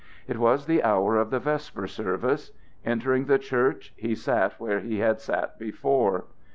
It was the hour of the vesper service. Entering the church he sat where he had sat before.